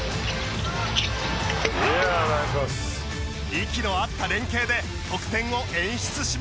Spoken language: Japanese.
息の合った連携で得点を演出しました。